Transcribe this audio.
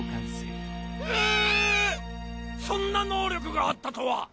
そんな能力があったとは！